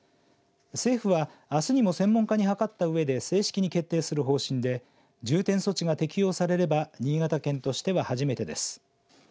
政府は、あすにも専門家に諮ったうえで正式に決定する方針で重点措置が適用されれば新潟県としては初めてです。